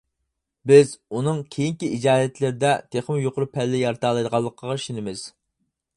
بىز ئۇنىڭ كېيىنكى ئىجادىيەتلىرىدە تېخىمۇ يۇقىرى پەللە يارىتالايدىغانلىقىغا ئىشىنىمىز.